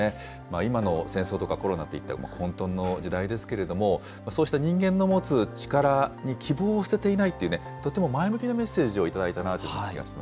今の戦争とか、コロナといった混とんの時代ですけれども、そうした人間の持つ力に希望を捨てていないというね、とっても前向きなメッセージを頂いたなという気がしますね。